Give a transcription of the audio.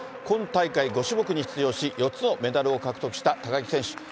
今大会５種目に出場し、４つのメダルを獲得した高木選手。